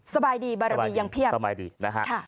สบายดีบารมียังเพียบสบายดีนะฮะ